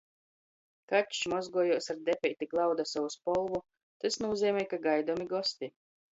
Kačs mozgojās, ar depeiti glauda sovu spolvu, tys nūzeimej, ka gaidomi gosti.